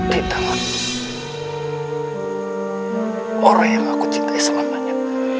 di tangan orang yang aku cintai selamanya